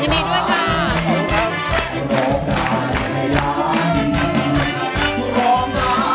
ยินดีด้วยครับ